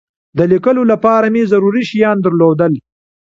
د لیکلو لپاره مې ضروري شیان درلودل.